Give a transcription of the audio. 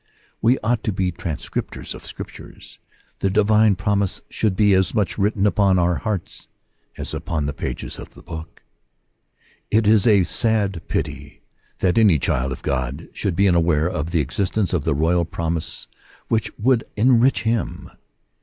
We ought to be transcripts of Scripture : the divine promise should be as much written upon our hearts as upon the pages of the Book. It is a sad pity that any child of God should be unaware of the existence of the royal promise which would enrich him.